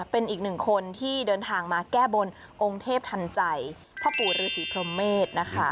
เป็นอีกหนึ่งคนที่เดินทางมาแก้บนองค์เทพทันใจพ่อปู่ฤษีพรหมเมษนะคะ